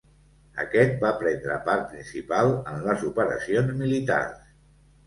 Aquest va prendre part principal en les operacions militars.